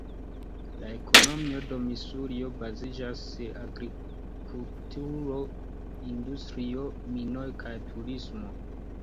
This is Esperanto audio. La ekonomio de Misurio baziĝas sur agrikulturo, industrio, minoj kaj turismo.